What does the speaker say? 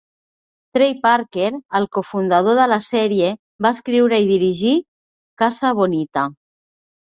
Trey Parker, el cofundador de la sèrie, va escriure i dirigir "Casa Bonita".